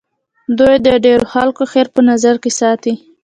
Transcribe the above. دوی د ډېرو خلکو خیر په نظر کې ساتي.